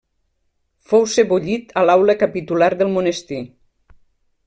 Fou sebollit a l'aula capitular del monestir.